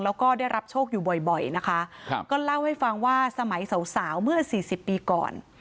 แล้วก็ได้รับโชคอยู่บ่อยนะคะก็เล่าให้ฟังว่าสมัยสาวสาวเมื่อสี่สิบปีก่อน